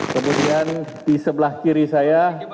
kemudian di sebelah kiri saya